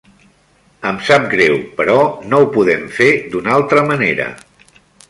Em sap greu, però no ho podem fer d'una altra manera.